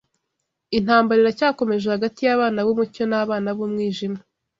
Intambara iracyakomeje hagati y’abana b’umucyo n’abana b’umwijima